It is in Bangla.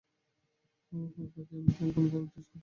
কর্ক ক্যাম্পিয়াম কোন ধরনের টিস্যু?